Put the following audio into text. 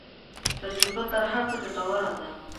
تجربه تر هر څه ګټوره ده.